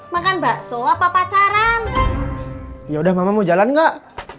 makan bakso apa pacaran yaudah mama mau jalan gak